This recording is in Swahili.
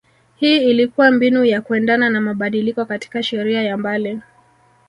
hii ilikua mbinu ya kuendana na mabadiliko katika sheria ya mbali